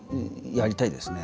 やりたいですね。